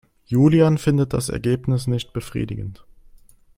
Julian findet das Ergebnis nicht befriedigend.